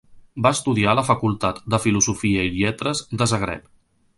Va estudiar a la Facultat de Filosofia i Lletres de Zagreb.